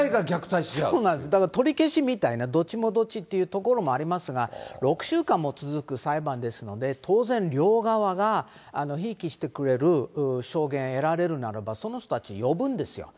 だから取り消しみたいな、どっちもどっちみたいなところもありますが、６週間も続く裁判ですので、当然両側がひいきしてくれる証言を得られるならば、その人たち呼ぶんですよ。